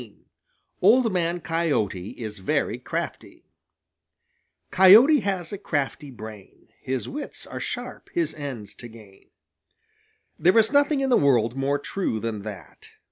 XVI OLD MAN COYOTE IS VERY CRAFTY Coyote has a crafty brain; His wits are sharp his ends to gain. There is nothing in the world more true than that.